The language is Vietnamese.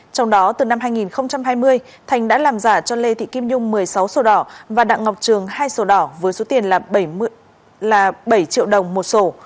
trong đó từ năm hai nghìn hai mươi thành đã làm giả cho lê thị kim nhung một mươi sáu sổ đỏ và đặng ngọc trường hai sổ đỏ với số tiền là bảy triệu đồng một sổ